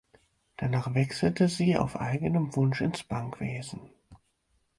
Danach wechselte sie auf eigenen Wunsch ins Bankwesen.